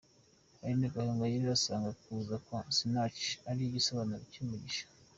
Aline Gahongayire asanga kuza kwa Sinach ari igisobanuro cy'umugisha.